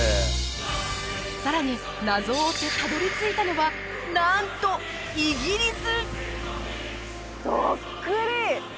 さらに謎を追ってたどり着いたのはなんとイギリス！？